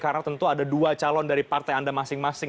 karena tentu ada dua calon dari partai anda masing masing